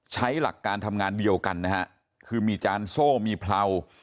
หลักการทำงานเดียวกันนะฮะคือมีจานโซ่มีเพรา